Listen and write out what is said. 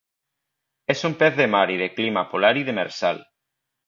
Es un pez de mar y de clima polar y demersal.